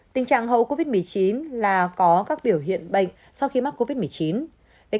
tình trạng hậu covid một mươi chín là có các biểu hiện bệnh sau khi mắc covid một mươi chín